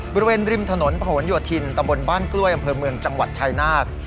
บริเวณริมถนนผนโยธินตำบลบ้านกล้วยอำเภอเมืองจังหวัดชายนาฏ